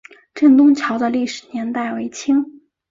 镇东桥的历史年代为清。